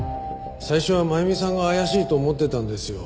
最初は真弓さんが怪しいと思ってたんですよ。